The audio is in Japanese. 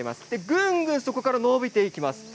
ぐんぐんそこから伸びていきます。